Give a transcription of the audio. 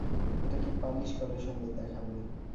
এটাকে পালিশ করলে সুন্দর দেখাবে।